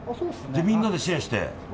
みんなでシェアして。